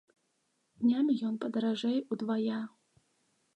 Днямі ён падаражэй удвая.